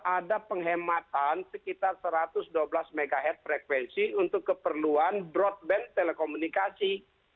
ada penghematan sekitar satu ratus dua belas mhz frekuensi untuk keperluan broadband telekomunikasi